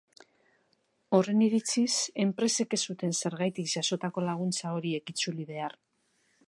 Horren iritziz, enpresek ez zuten zergatik jasotako laguntza horiek itzuli behar.